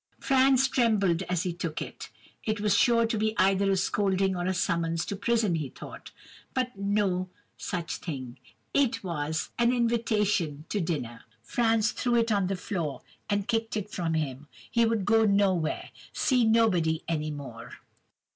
"Franz trembled as he took it. It was sure to be either a scolding or a summons to prison, he thought. But no such thing: it was an invitation to dinner. Franz threw it on the floor, and kicked it from him—he would go nowhere—see nobody any more!